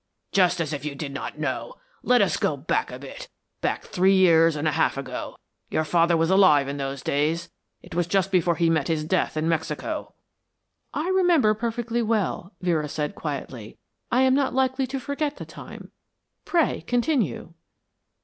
"Just as if you did not know. Let us go back a bit, back three years and a half ago. Your father was alive in those days; it was just before he met his death in Mexico." "I remember perfectly well," Vera said, quietly. "I am not likely to forget the time. Pray continue."